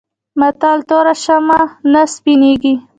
متل: توره شمه نه سپينېږي.